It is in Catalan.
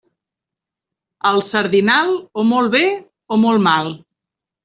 El sardinal, o molt bé o molt mal.